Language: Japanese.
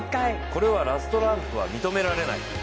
これはラストランとは認められない。